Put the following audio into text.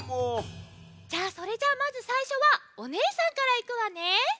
それじゃあまずさいしょはおねえさんからいくわね。